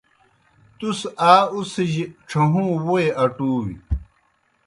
تُس آ اُڅِھجیْ ڇھہُوں ووئی اٹُوئے۔